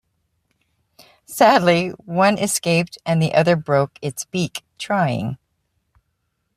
Sadly, one escaped and the other broke its beak trying.